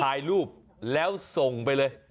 ถ่ายรูปแล้วส่งไปเลย